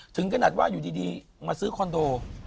ถึงขนาดว่าอยู่ดีมาซื้อคอนโด